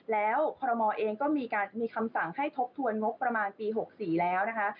แล้วคอรมอลเองก็มีการมีคำสั่งให้ทบทวนงบประมาณปี๖๔แล้วนะคะ